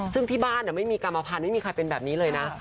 ซึ่งที่บ้านไม่มีกรรมภัณฑ์ไม่มีใครเป็นแบบนี้เลยนะ